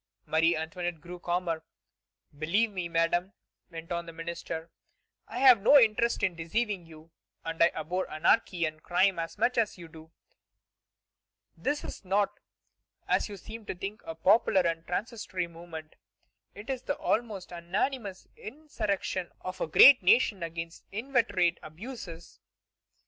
Marie Antoinette grew calmer. "Believe me, Madame," went on the minister; "I have no interest in deceiving you, and I abhor anarchy and crime as much as you do.... This is not, as you seem to think, a popular and transitory movement. It is the almost unanimous insurrection of a great nation against inveterate abuses.